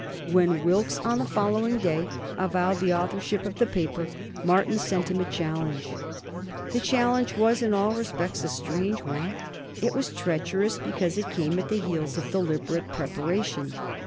When Wilkes, on the following day, avowed the authorship of the paper, Martin sent him a challenge. The challenge was in all respects a strange one. It was treacherous, because it came at the heels of deliberate preparation.